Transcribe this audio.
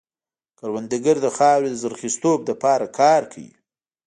کروندګر د خاورې د زرخېزتوب لپاره کار کوي